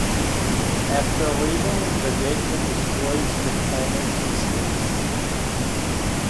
After leaving, Vegeta destroys the planet from space.